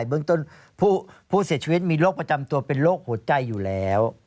เบื้องต้นผู้เสียชีวิตมีโรคประจำตัวเป็นโรคหัวใจอยู่แล้ว